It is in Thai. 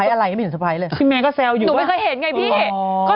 สวัสดีค่ะข้าวใส่ไข่สดใหม่เยอะสวัสดีค่ะ